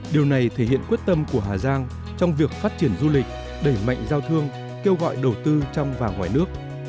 điều này thể hiện quyết tâm của hà giang trong việc phát triển du lịch đẩy mạnh giao thương kêu gọi đầu tư trong và ngoài nước